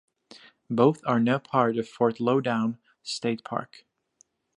Both are now part of Fort Loudoun State Park.